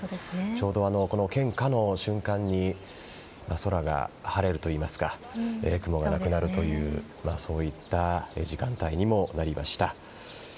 ちょうど献花の瞬間に空が晴れるといいますか雲がなくなるというそういった時間帯にもなりました。